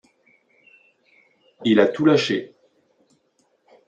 Il a tout lâché.